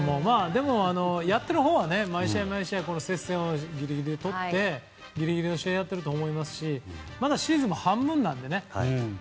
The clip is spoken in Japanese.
でも、やっているほうは毎試合、接戦をギリギリとってギリギリの試合をやっていると思いますしまだシーズンも半分なのでね。